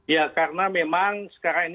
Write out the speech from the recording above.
ya karena memang sekarang ini